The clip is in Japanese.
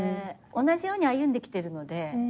同じように歩んできてるので。